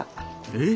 えっ！